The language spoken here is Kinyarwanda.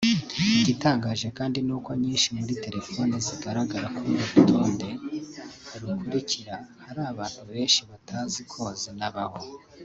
Igitangaje kandi nuko nyinshi muri telefoni zigaragara kuri uru rutonde rukurikira hari abantu benshi batazi ko zinabaho